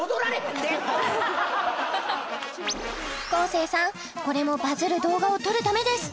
昴生さんこれもバズる動画を撮るためです